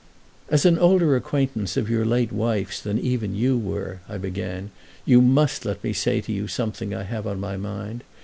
"As an older acquaintance of your late wife's than even you were," I began, "you must let me say to you something I have on my mind.